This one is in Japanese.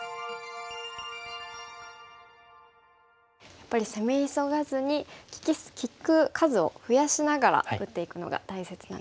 やっぱり攻め急がずに利く数を増やしながら打っていくのが大切なんですね。